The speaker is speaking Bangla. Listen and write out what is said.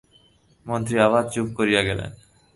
মন্ত্রী আবার চুপ করিয়া গেলেন।